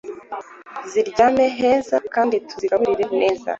ziryame heza kandi tuzigaburire neza